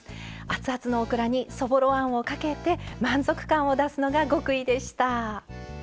アツアツのオクラにそぼろあんをかけて満足感を出すのが極意でした。